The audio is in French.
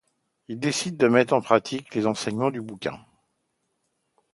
Il décide de mettre en pratique les enseignements du bouquin.